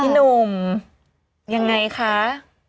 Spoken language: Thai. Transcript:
หนุ่มยังไงคะ